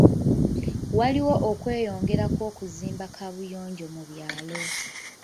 Waliwo okweyongera kw'okuzimba kaabuyonjo mu byalo.